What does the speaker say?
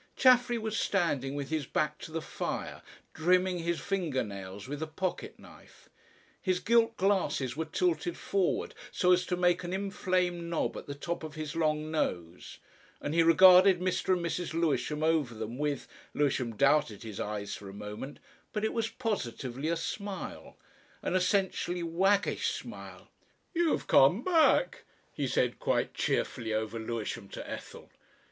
Chaffery was standing with his back to the fire, trimming his finger nails with a pocket knife. His gilt glasses were tilted forward so as to make an inflamed knob at the top of his long nose, and he regarded Mr. and Mrs. Lewisham over them with Lewisham doubted his eyes for a moment but it was positively a smile, an essentially waggish smile. "You've come back," he said quite cheerfully over Lewisham to Ethel.